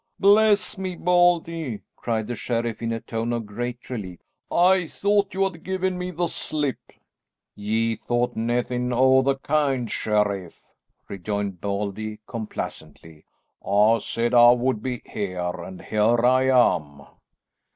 "Bless me, Baldy!" cried the sheriff in a tone of great relief, "I thought you had given me the slip." "Ye thought naething o' the kind, sheriff," rejoined Baldy complacently. "I said I would be here, and here I am."